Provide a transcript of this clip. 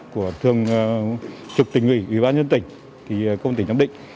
của thường trực tỉnh ủy ban nhân tỉnh công an tỉnh nam định